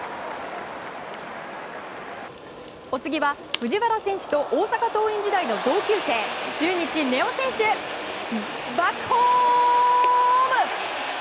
お次は、藤原選手と大阪桐蔭時代の同級生中日、根尾選手。バックホーム！